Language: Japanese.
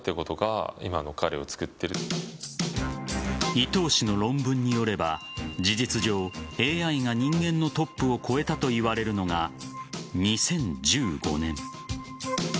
伊藤氏の論文によれば事実上、ＡＩが人間のトップを超えたといわれるのが２０１５年。